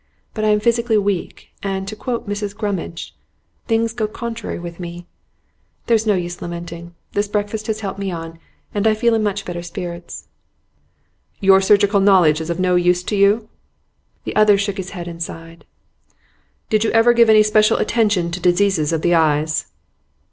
But I am physically weak, and, to quote Mrs Gummidge, "things go contrary with me." There's no use lamenting; this breakfast has helped me on, and I feel in much better spirits.' 'Your surgical knowledge is no use to you?' The other shook his head and sighed. 'Did you ever give any special attention to diseases of the eyes?